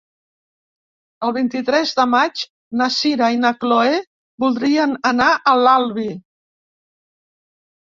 El vint-i-tres de maig na Sira i na Chloé voldrien anar a l'Albi.